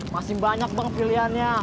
masih banyak bang pilihannya